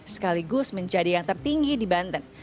sekaligus menjadi yang tertinggi di banten